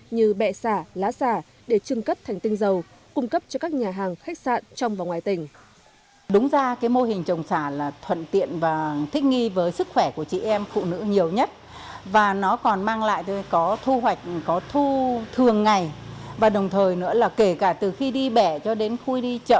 như bẹ xả lá xả để trưng cất thành tinh dầu cung cấp cho các nhà hàng khách sạn trong và ngoài tỉnh